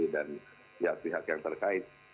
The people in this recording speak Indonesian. dan pihak pihak yang terkait